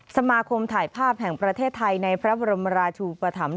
สมาคมถ่ายภาพแห่งประเทศไทยในพระบรมราชูปธรรม